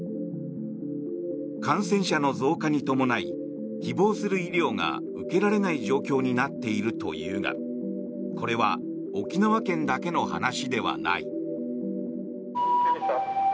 感染者の増加に伴い希望する医療が受けられない状況になっているというがこれは沖縄県だけの話ではない。